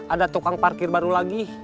ada tukang parkir baru lagi